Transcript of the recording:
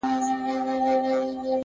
هره بریا د هڅو پایله ده!.